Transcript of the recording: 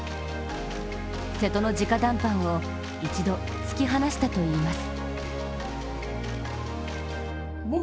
瀬戸のじか談判を一度突き放したといいます。